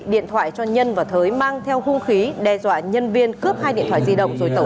điện thoại cho nhân và thới mang theo hung khí đe dọa nhân viên cướp hai điện thoại di động rồi tẩu